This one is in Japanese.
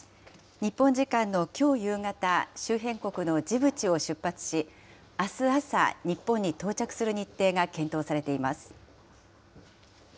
日本時間のきょう夕方、周辺国のジブチを出発し、あす朝、日本に到着する日程が検討されています。